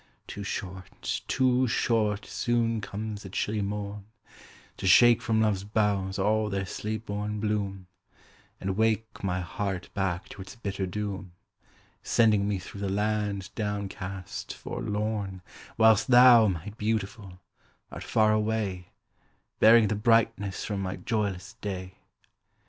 Too short too short soon comes the chilly morn, To shake from love's boughs all their sleep born bloom, And wake my heart back to its bitter doom, Sending me through the land down cast, forlorn, Whilst thou, my Beautiful, art far away, Bearing the brightness from my joyless day.